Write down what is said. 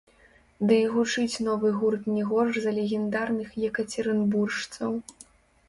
Дый гучыць новы гурт не горш за легендарных екацерынбуржцаў.